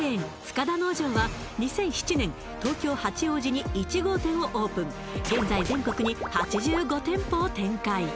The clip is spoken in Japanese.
塚田農場は２００７年東京・八王子に１号店をオープン現在を展開